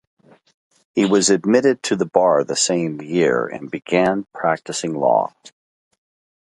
He was admitted to the bar the same year and began practicing law.